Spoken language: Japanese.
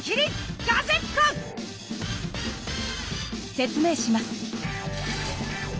説明します。